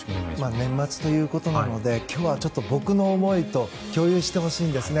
年末ということなので今日は僕の思いを共有してほしいんですね。